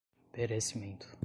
perecimento